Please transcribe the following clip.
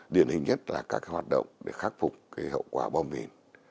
điển hình nhất là các hoạt động để khắc phục hậu quả bom mìn